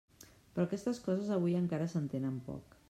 Però aquestes coses avui encara s'entenen poc.